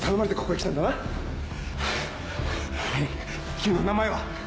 君の名前は！？